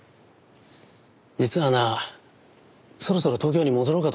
実はなそろそろ東京に戻ろうかと思ってる。